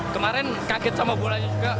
kemarin kaget sama bolanya juga